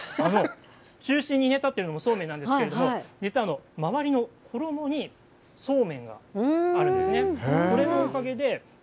中心に立ってるのもそうめんなんですけど実は周りの衣にそうめんがあるんですね。